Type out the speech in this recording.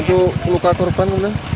untuk luka korban gimana